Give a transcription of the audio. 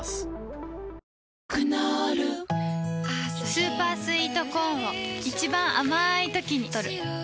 スーパースイートコーンを一番あまいときにとる